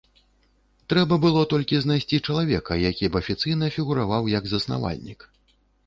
Трэба было толькі знайсці чалавека, які б афіцыйна фігураваў як заснавальнік.